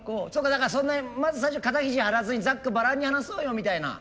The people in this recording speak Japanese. だからそんなにまず最初肩肘張らずにざっくばらんに話そうよみたいな。